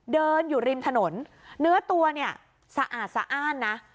เดินอยู่ริมถนนเนื้อตัวเนี่ยสะอาดสะอ้านนะ